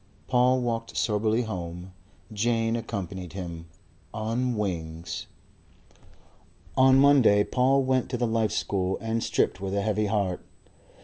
Paul walked soberly home. Jane accompanied him on wings. On Monday Paul went to the Life School and stripped with a heavy heart.